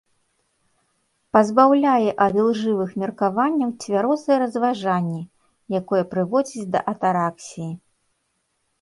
Пазбаўляе ад ілжывых меркаванняў цвярозае разважанне, якое прыводзіць да атараксіі.